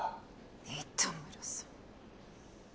糸村さん。